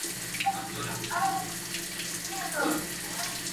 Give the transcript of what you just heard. كه كېدل په پاچهي كي يې ظلمونه.!